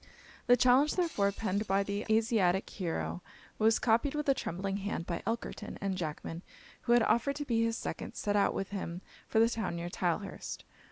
The challenge, therefore, penned by the Asiatic hero, was copied with a trembling hand by Elkerton; and Jackman, who had offered to be his second, set out with him for the town near Tylehurst.